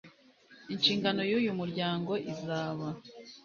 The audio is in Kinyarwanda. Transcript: Inshingano y uyu muryango izaba